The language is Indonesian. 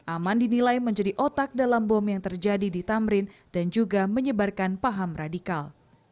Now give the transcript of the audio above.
aman dinilai menjadi otak dalam bom yang terjadi di tamrin dan juga menyebarkan paham radikal